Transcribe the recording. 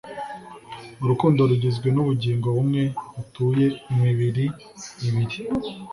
urukundo rugizwe n'ubugingo bumwe butuye imibiri ibiri